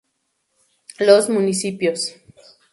Los Municipios.